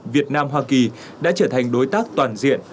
việt nam hoa kỳ đã trở thành đối tác toàn diện